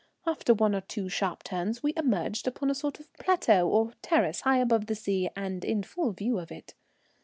After one or two sharp turns, we emerged upon a sort of plateau or terrace high above the sea, and in full view of it.